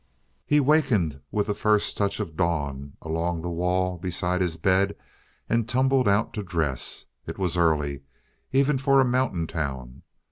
He wakened with the first touch of dawn along the wall beside his bed and tumbled out to dress. It was early, even for a mountain town.